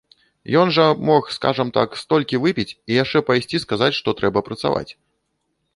Ён жа мог, скажам так, столькі выпіць і яшчэ пайсці сказаць, што трэба працаваць.